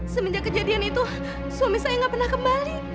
semenjak kejadian itu suami saya gak pernah kembali